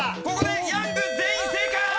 ここでヤング全員正解！